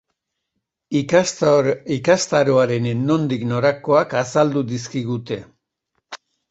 Ikastaroaren nondik norakoak azaldu dizkigute.